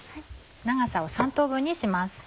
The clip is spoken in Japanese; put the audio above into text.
長さを３等分にします。